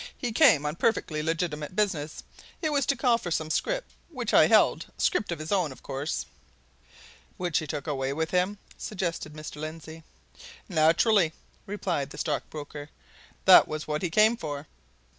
"He came on perfectly legitimate business. It was to call for some scrip which I held scrip of his own, of course." "Which he took away with him?" suggested Mr. Lindsey. "Naturally!" replied the stockbroker. "That was what he came for."